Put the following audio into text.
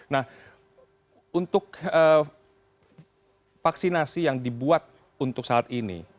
nah untuk vaksinasi yang dibuat untuk saat ini